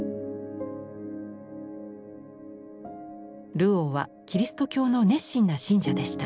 ルオーはキリスト教の熱心な信者でした。